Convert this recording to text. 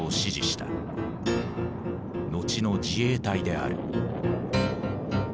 後の自衛隊である。